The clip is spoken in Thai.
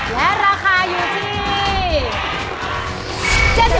และราคาอยู่ที่